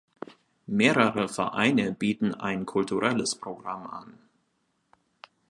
Mehrere Vereine bieten ein kulturelles Programm an.